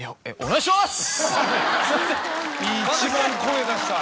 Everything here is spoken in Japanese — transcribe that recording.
一番声出した。